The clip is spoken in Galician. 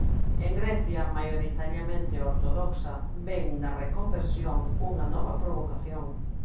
En Grecia, maioritariamente ortodoxa, ven na reconversión unha nova provocación.